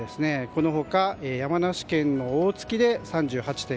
この他、山梨県の大月で３８．５度。